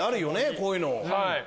こういうの。